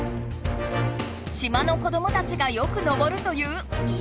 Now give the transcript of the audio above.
島の子どもたちがよく登るという稲村岳。